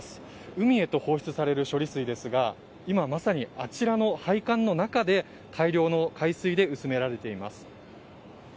海へと放出される処理水ですが、今まさにあちらの配管の中で大量の海水で薄められています。